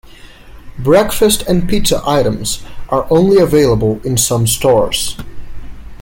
Breakfast and pizza items are only available in some stores.